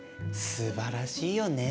すばらしいよね。